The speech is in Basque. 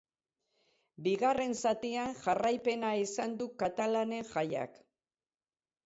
Bigarren zatian jarraipena izan du katalanen jaiak.